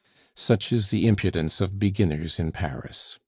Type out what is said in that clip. Such is the impudence of beginners in Paris.